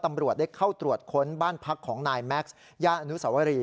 ตำรวจได้เข้าตรวจค้นบ้านพักของนายแม็กซ์ย่านอนุสวรี